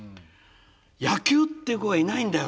「野球」っていう子がいないんだよ